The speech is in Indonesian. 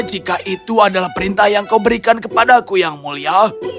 jika itu adalah perintah yang kau berikan kepada aku yang mulia